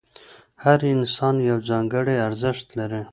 هر انسان یو ځانګړی ارزښت لري.